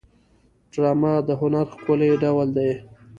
ډرامه د هنر ښکلی ډول دی